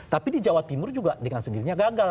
tapi di jawa timur juga dengan sendirinya gagal